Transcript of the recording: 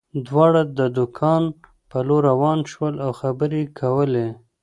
دواړه د کان په لور روان شول او خبرې یې کولې